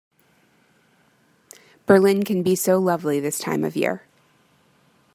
Berlin can be so lovely this time of year.